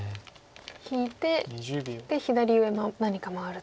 引いてで左上何か回ると。